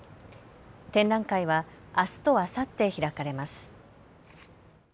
展覧会はあすとあさって開かれます。